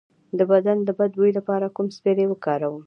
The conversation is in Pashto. د بدن د بد بوی لپاره کوم سپری وکاروم؟